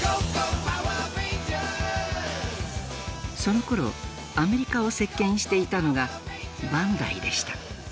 そのころアメリカを席けんしていたのがバンダイでした。